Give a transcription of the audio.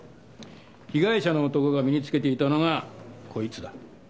被害者の男が身に着けていたのがこいつだ。